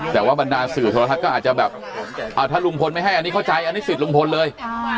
แต่ว่าบรรดาสื่อโทรทัศน์ก็อาจจะแบบถ้าลุงพลไม่ให้อันนี้เข้าใจอันนี้สิทธิลุงพลเลย